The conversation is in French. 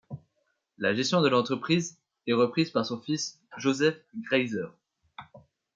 La gestion de l'entreprise est reprise par son fils Joseph Graser.